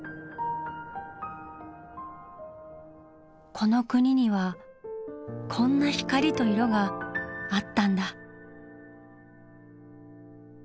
この国にはこんな光と色があったんだ。